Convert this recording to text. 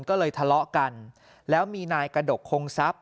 ก็เลยทะเลาะกันแล้วมีนายกระดกคงทรัพย